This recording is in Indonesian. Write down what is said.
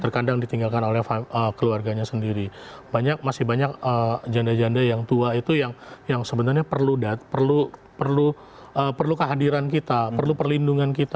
terhadap keluarganya sendiri banyak masih banyak janda janda yang tua itu yang sebenarnya perlu dat perlu kehadiran kita perlu perlindungan kita